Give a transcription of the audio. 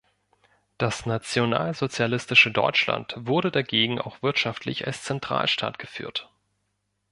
Das nationalsozialistische Deutschland wurde dagegen auch wirtschaftlich als Zentralstaat geführt.